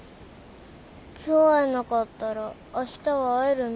今日会えなかったらあしたは会えるの？